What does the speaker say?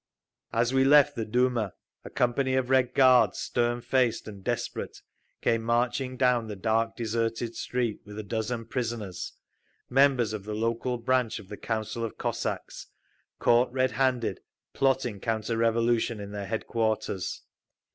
As we left the Duma a company of Red Guards, stern faced and desperate, came marching down the dark, deserted street with a dozen prisoners—members of the local branch of the Council of Cossacks, caught red handed plotting counter revolution in their headquarters….